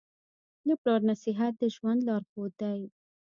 د پلار نصیحت د ژوند لارښود دی.